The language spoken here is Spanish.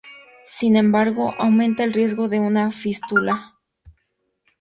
Sin embargo, aumenta el riesgo de una fístula.